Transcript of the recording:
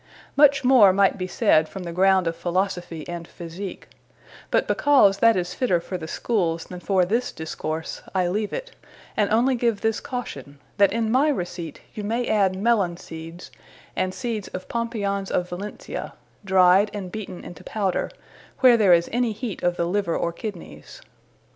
Much more might be said from the ground of Philosophy, and Physique; but because that is fitter for the Schooles, than for this discourse; I leave it, and onely give this Caution, that in my Receipt, you may adde Mellon seeds, and seeds of Pompions of Valencia, dryed, and beaten into powder, where there is any heat of the Liver or Kidnyes.